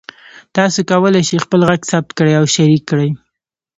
تاسو کولی شئ خپل غږ ثبت کړئ او شریک کړئ.